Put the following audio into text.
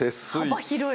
幅広い。